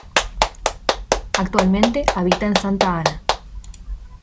Actualmente habita en Santa Ana.